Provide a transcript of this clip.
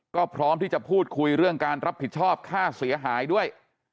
ก็พร้อมที่จะพูดคุยเรื่องการรับผิดชอบค่าเสียหายด้วย